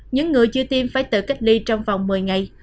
những người chưa tiêm phải tự cách ly trong vòng một mươi ngày